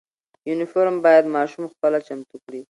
یونیفرم باید ماشوم خپله چمتو کړي.